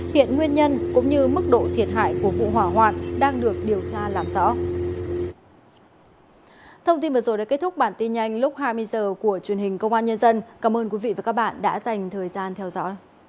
hiện nguyên nhân cũng như mức độ thiệt hại của vụ hỏa hoạn đang được điều tra làm rõ